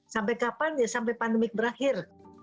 sampai kapan ya sampai pandemik berakhir